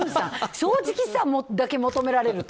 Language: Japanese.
正直さだけ求められると。